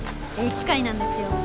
機械なんですよ。